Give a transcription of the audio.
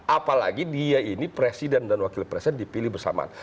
apalagi dia ini presiden dan wakil presiden dipilih bersamaan